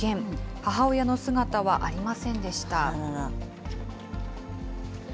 母親の姿はありませんでした。